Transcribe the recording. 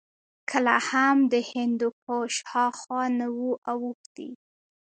کله هم د هندوکش هاخوا نه وو اوښتي